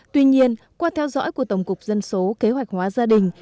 tuy nhiên qua theo dõi của tổng cục dân số kế hoạch hóa gia đình